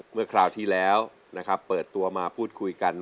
คราวที่แล้วนะครับเปิดตัวมาพูดคุยกัน